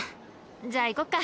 じゃあ行こっか。